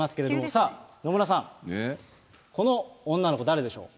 さあ、野村さん、この女の子誰でしょう。